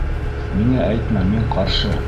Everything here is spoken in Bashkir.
Миңә әйтмә, мин ҡаршы!